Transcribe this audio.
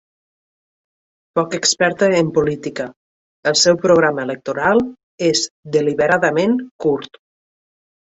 Poc experta en política, el seu programa electoral és deliberadament curt.